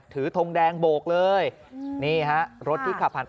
ถือทงแดงโบกเลยนี่ครับ